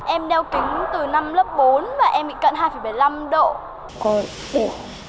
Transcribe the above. em đeo kính từ năm lớp bốn và em bị cận hai bảy mươi năm độ